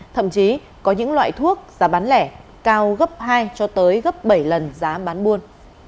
thậm chí có những loại thuốc giá bán lẻ cao gấp hai bảy lần giá bán buôn